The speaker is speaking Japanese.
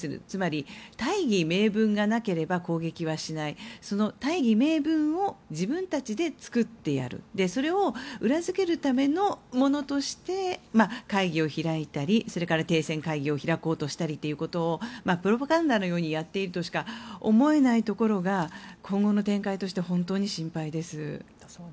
つまり大義名分がなければ攻撃はしないその大義名分を自分たちで作ってやるそれを裏付けるためのものとして会議を開いたりそれから停戦会議を開こうとしたりということをプロパガンダのようにやっているとしか思えないところが今後の展開として本当に心配です。